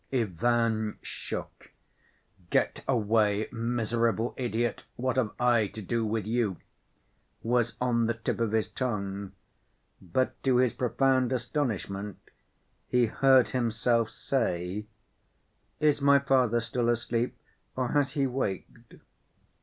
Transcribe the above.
Ivan shook. "Get away, miserable idiot. What have I to do with you?" was on the tip of his tongue, but to his profound astonishment he heard himself say, "Is my father still asleep, or has he waked?"